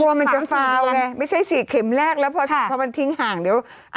กลัวมันจะฟาวแกไม่ใช่๔เข็มแรกแล้วพอมันทิ้งห่างเดี๋ยวค่ะ